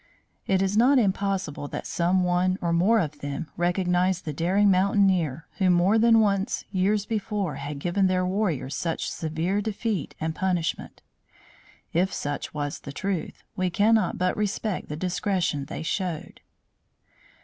It is not impossible that some one or more of them recognized the daring mountaineer who more than once years before had given their warriors such severe defeat and punishment. If such was the truth, we cannot but respect the discretion they showed.